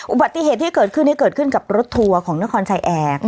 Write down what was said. อุบัติเหตุที่เกิดขึ้นเกิดขึ้นกับรถทัวร์ของนครชายแอร์